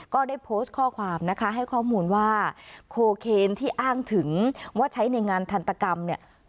ก็ได้โพสต์ข้อความนะคะให้ข้อมูลว่าโคเคนที่อ้างถึงว่าใช้ในงานทันตกรรมเนี่ย